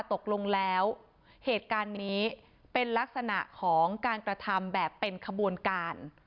ตกลงแล้วเหตุการณ์นี้เป็นลักษณะของการกระทำแบบเป็นขบวนการ